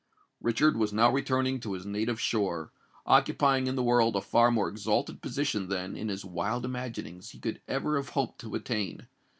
Richard was now returning to his native shore—occupying in the world a far more exalted position than, in his wildest imaginings, he could ever have hoped to attain.